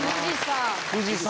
富士山！